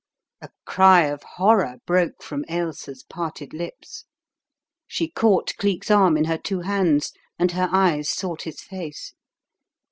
A cry of horror broke from Ailsa's parted lips. She caught Cleek's arm in her two hands, and her eyes sought his face.